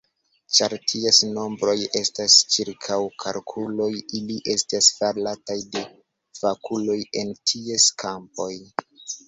Ĉar ties nombroj estas ĉirkaŭkalkuloj, ili estis farataj de fakuloj en ties kampoj.